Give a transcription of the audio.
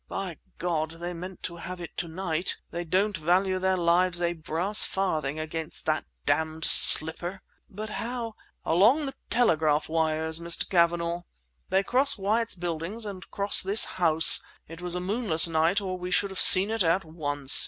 By God! They meant to have it to night! They don't value their lives a brass farthing against that damned slipper!" "But how—" "Along the telegraph wires, Mr. Cavanagh! They cross Wyatt's Buildings and cross this house. It was a moonless night or we should have seen it at once!